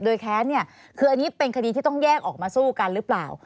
แค้นเนี่ยคืออันนี้เป็นคดีที่ต้องแยกออกมาสู้กันหรือเปล่า